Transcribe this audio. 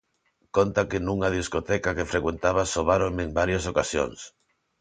Conta que nunha discoteca que frecuentaba sobáronme en varias ocasións.